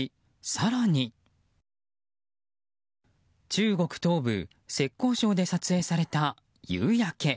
中国東部・浙江省で撮影された夕焼け。